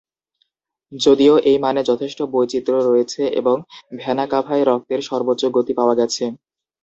যদিও এই মানে যথেষ্ট বৈচিত্র রয়েছে এবং ভ্যানাকাভায় রক্তের সর্বোচ্চ গতি পাওয়া গেছে।